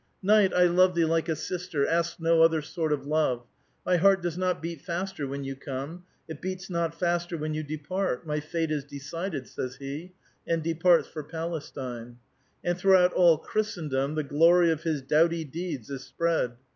" Knight, I love thee like a sister. Ask no other sort of love. Mv heart does not beat faster when you come ; it beats not faster when you depart. My fate is decided," says he, and de parts for Palestine. And throughout all Christendom the glory of his doughty deeds is spread.